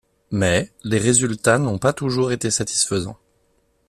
Mais, les résultats n'ont pas toujours été satisfaisants.